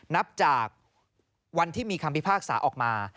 นับจากวันที่มีคำพิพากษาออกมา